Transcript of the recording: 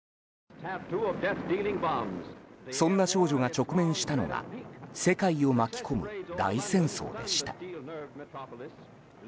そんな少女が直面したのが世界を巻き込む大戦争でした。